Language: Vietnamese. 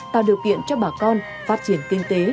tạo điều kiện cho bà con phát triển kinh tế